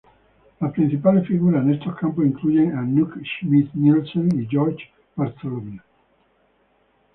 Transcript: Las principales figuras en estos campos incluyen a Knut Schmidt-Nielsen y George Bartholomew.